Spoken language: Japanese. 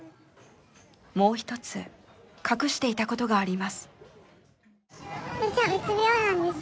もうひとつ隠していたことがあります。